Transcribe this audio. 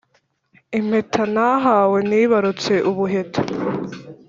impeta ntahawe nibarutse ubuheta